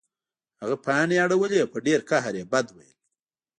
هغه پاڼې اړولې او په ډیر قهر یې بد ویل